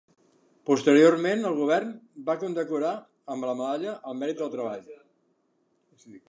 Posteriorment el Govern va condecorar amb la Medalla al Mèrit del Treball.